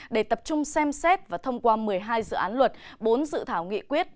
để tập trung xem xét và thông qua một mươi hai dự án luật bốn dự thảo nghị quyết